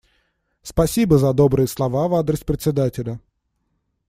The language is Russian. Спасибо за добрые слова в адрес Председателя.